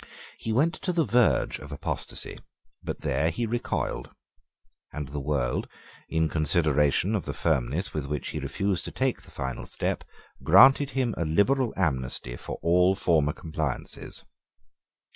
He went to the verge of apostasy: but there he recoiled: and the world, in consideration of the firmness with which he refused to take the final step, granted him a liberal amnesty for all former compliances.